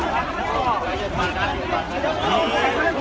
วันนี้สร้างวาสนิทเกี่ยวกับสร้างอ๋อได้ครับเดี๋ยวอ๋อได้เลยครับ